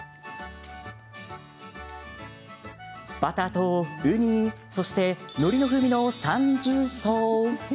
バターとウニそして、のりの風味の三重奏。